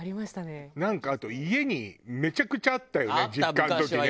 なんかあと家にめちゃくちゃあったよね実家の時ね。